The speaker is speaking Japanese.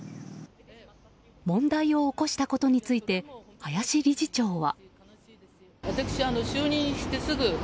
問題を起こしたことについて林理事長は。